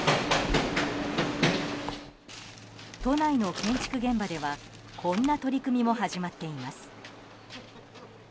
都内の建築現場ではこんな取り組みも始まっています。